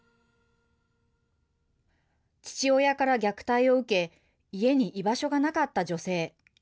父親から虐待を受け、家に居場所がなかった女性。